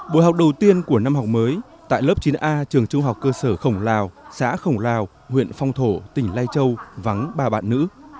bộ học đầu tiên của năm học mới tại lớp chín a trường trung học cơ sở khổng lào xã khổng lào huyện phong thổ tỉnh lai châu vắng ba bạn nữ